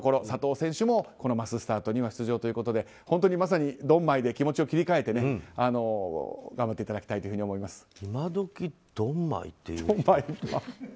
佐藤選手もマススタートには出場ということで本当にまさにドンマイで気持ちを切り替えて頑張っていただきたいと思います。